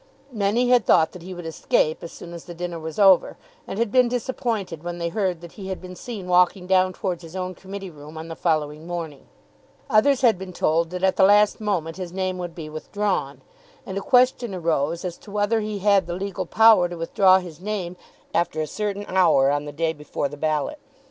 Many had thought that he would escape as soon as the dinner was over, and had been disappointed when they heard that he had been seen walking down towards his own committee room on the following morning. Others had been told that at the last moment his name would be withdrawn, and a question arose as to whether he had the legal power to withdraw his name after a certain hour on the day before the ballot.